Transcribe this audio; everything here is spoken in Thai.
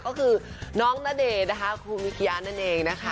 ก็คือน้องณเดชน์นะคะครูมิกิยานั่นเองนะคะ